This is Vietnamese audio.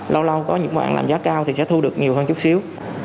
lâu lâu có những mạng làm giá cao thì sẽ thu được nhiều hơn chút xíu